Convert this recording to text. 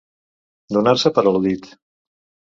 Donar-se per al·ludit.